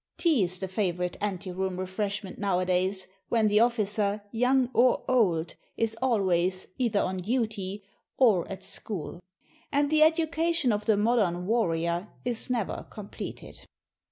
Tea is the favourite ante room refreshment nowadays, when the officer, young or old, is always either on duty, or at school. And the education of the modern warrior is never completed.